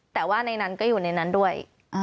แต่ว่าในนั้นก็อยู่ในนั้นด้วย